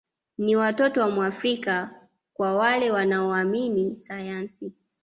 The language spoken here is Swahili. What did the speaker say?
Ni watoto wa Mwafrika kwa wale wanaoamini sayansi